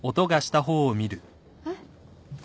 えっ？